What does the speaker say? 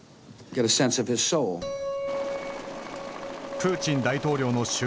プーチン大統領の就任後